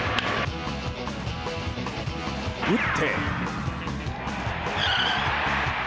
打って。